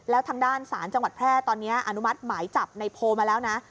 แล้วทางด้านศาลจังหวัดแพร่ตอนนี้อนุมัติหมายจับในโพลมาแล้วนะ